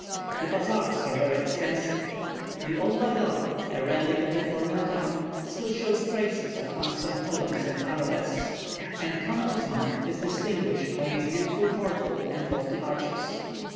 The bazaars are very extensive. The old bazaar, a relic of the former town, still shows traces of handsome columns and arabesques, and Chan Osman is distinguished by its beautiful portal and lofty arches.